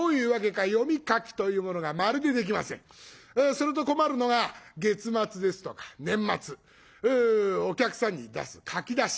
すると困るのが月末ですとか年末お客さんに出す書き出し。